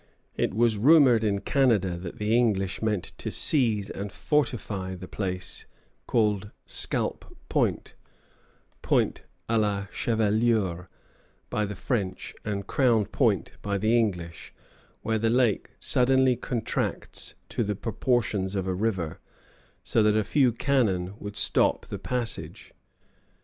It was rumored in Canada that the English meant to seize and fortify the place called Scalp Point (Pointe à la Chevelure) by the French, and Crown Point by the English, where the lake suddenly contracts to the proportions of a river, so that a few cannon would stop the passage.